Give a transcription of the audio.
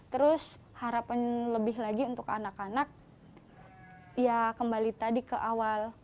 terus harapan lebih lagi untuk anak anak ya kembali tadi ke awal